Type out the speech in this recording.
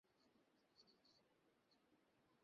ধারণাও ছিল না।